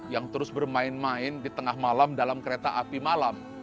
yang terus bermain main di tengah malam dalam kereta api malam